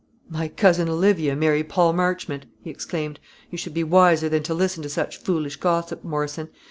"My cousin Olivia marry Paul Marchmont!" he exclaimed. "You should be wiser than to listen to such foolish gossip, Morrison.